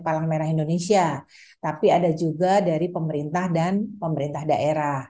palang merah indonesia tapi ada juga dari pemerintah dan pemerintah daerah